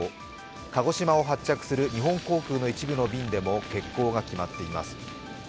鹿児島を発着する日本航空の一部の便でも欠航が決まっています。